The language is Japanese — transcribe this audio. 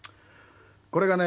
これがね